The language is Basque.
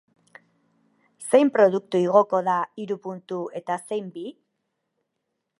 Zein produktu igoko da hiru puntu eta zein bi?